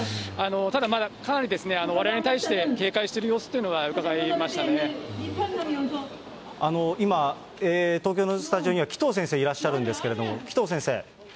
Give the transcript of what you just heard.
ただまだ、かなり、われわれに対して警戒している様子というのは今、東京のスタジオには、紀藤先生いらっしゃるんですけれども、紀藤先生。